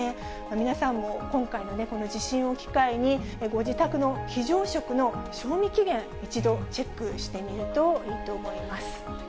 皆さんも今回の地震を機会に、ご自宅の非常食の賞味期限、一度チェックしてみるといいと思います。